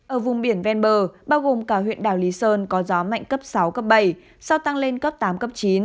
ở vùng biển ven bờ bao gồm cả huyện đảo lý sơn có gió mạnh cấp sáu cấp bảy sau tăng lên cấp tám cấp chín